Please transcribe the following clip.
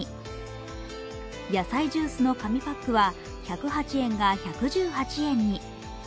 野菜ジュースの紙パックは１０８円が１１８円に。